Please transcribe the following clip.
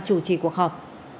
chủ trì cuộc họp